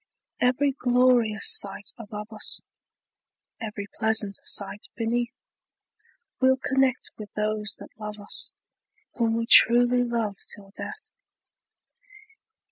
Every glorious sight above us, Every pleasant sight beneath, We'll connect with those that love us, Whom we truly love till death!